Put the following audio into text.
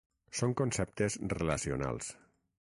Són conceptes relacionals.